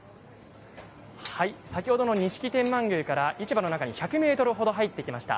先ほどの錦天満宮から市場の中に１００メートル程入ってきました。